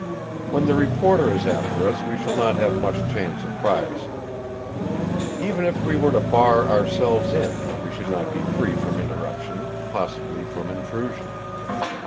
When the reporter is after us we shall not have much chance of privacy. Even if we were to bar ourselves in, we should not be free from interruption, possibly from intrusion.